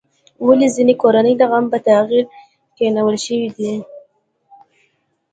ولې ځینې کورنۍ د غم په ټغر کېنول شوې دي؟